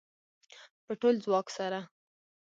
په ټول ځواک سره